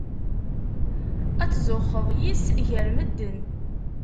Ad tzuxxeḍ yis-s gar medden.